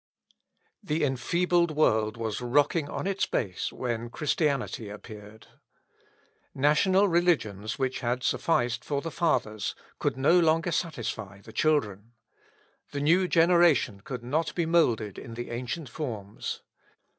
The enfeebled world was rocking on its base when Christianity appeared. National religions which had sufficed for the fathers, could no longer satisfy the children. The new generation could not be moulded in the ancient forms.